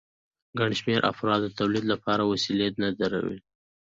ګڼ شمېر افرادو د تولید لپاره وسیلې نه درلودې